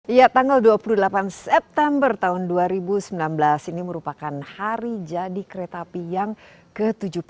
iya tanggal dua puluh delapan september tahun dua ribu sembilan belas ini merupakan hari jadi kereta api yang ke tujuh puluh delapan